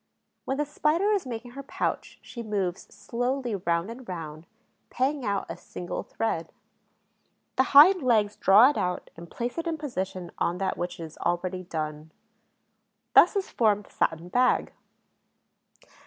When the Spider is making her pouch she moves slowly round and round, paying out a single thread. The hind legs draw it out and place it in position on that which is already done. Thus is formed the satin bag.